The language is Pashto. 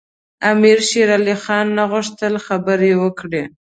امیر شېرعلي خان نه غوښتل خبرې وکړي.